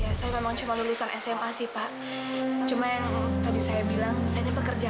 ya saya memang cuma lulusan sma sih pak cuma yang tadi saya bilang saya ini pekerja